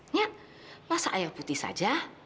nya masak air putih saja